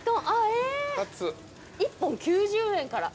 １本９０円から。